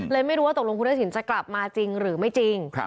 ไม่รู้ว่าตกลงคุณทักษิณจะกลับมาจริงหรือไม่จริง